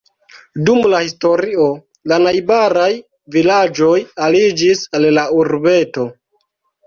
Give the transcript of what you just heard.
Dum la historio la najbaraj vilaĝoj aliĝis al la urbeto.